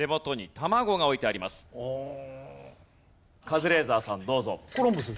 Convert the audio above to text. カズレーザーさんどうぞ。